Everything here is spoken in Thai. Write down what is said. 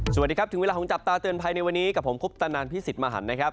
สวัสดีครับถึงเวลาของจับตาเตือนภัยในวันนี้กับผมคุปตนันพี่สิทธิ์มหันนะครับ